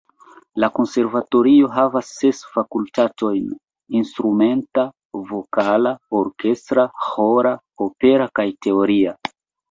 La konservatorio havas ses fakultatojn; instrumenta, vokala, orkestra, ĥora, opera kaj teoria.